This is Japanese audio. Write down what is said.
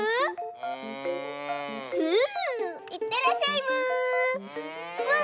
いってらっしゃいブー。